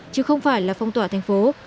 chứ không phải là phong tỏa thành phố